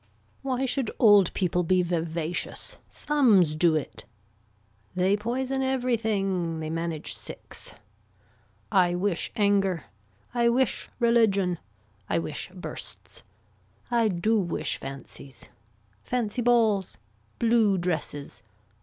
Why should old people be vivacious. Thumbs do it. They poison everything. They manage six. I wish anger. I wish religion. I wish bursts. I do wish fancies. Fancy balls. Blue dresses.